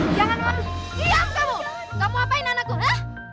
jangan lupa diam kamu